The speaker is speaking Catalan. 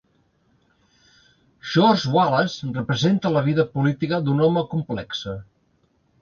"George Wallace" representa la vida política d'un home complexe.